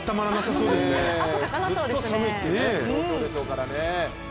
ずっと寒いっていう状況でしょうからね。